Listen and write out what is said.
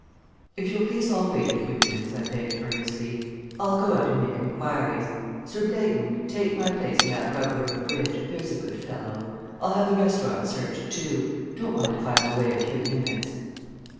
"If you'll please all wait a few minutes," I begged earnestly, "I'll go out and make inquiries. Sir Blaydon, take my place in that rubber of bridge there's a good fellow. I'll have the restaurant searched too. Don't mind if I am away a few minutes."